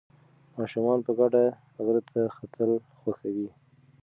ماشومان په ګډه غره ته ختل خوښوي.